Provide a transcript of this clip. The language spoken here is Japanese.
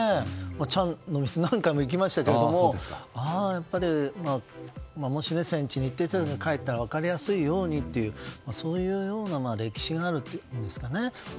「ちゃん」の店何回も行きましたけどもやっぱり、戦地に行っていて帰ってきたら分かりやすいようにというそういうような歴史があるというんですかね。